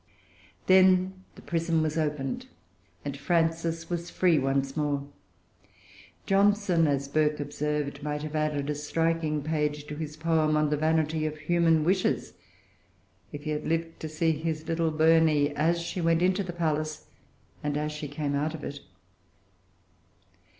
Then the prison was opened, and Frances was free[Pg 377] once more. Johnson, as Burke observed, might have added a striking page to his poem on the Vanity of Human Wishes, if he had lived to see his little Burney as she went into the palace and as she came out of it.